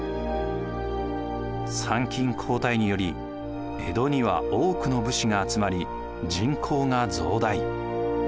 参勤交代により江戸には多くの武士が集まり人口が増大。